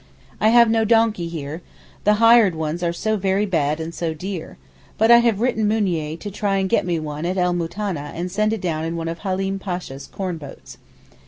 I have no donkey here, the hired ones are so very bad and so dear; but I have written Mounier to try and get me one at El Moutaneh and send it down in one of Halim Pasha's corn boats.